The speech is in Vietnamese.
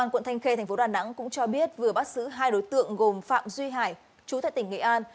đoàn đẳng cũng cho biết vừa bắt giữ hai đối tượng gồm phạm duy hải chú tại tỉnh nghệ an